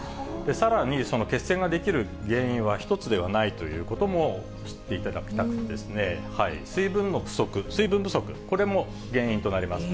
さらにその血栓が出来る原因は１つではないということも知っていただきたくて、水分の不足、水分不足、これも原因となります。